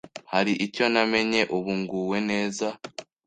Hari icyo namenye ubu nguwe neza